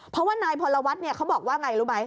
เพราะว่านายพอรวัตน์นี่เขาบอกว่าอะไรรู้มั้ย